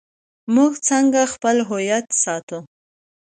موږ څنګه خپل هویت ساتو؟